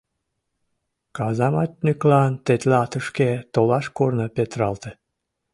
Казаматньыклан тетла тышке толаш корно петыралте.